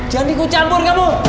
jangan dikucampur kamu